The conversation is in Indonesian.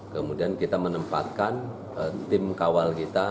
kemudian kita menempatkan tim kawal kita empat orang